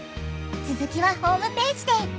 つづきはホームページで！